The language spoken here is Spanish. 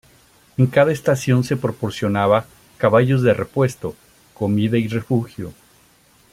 En cada estación se proporcionaba caballos de repuesto, comida y refugio.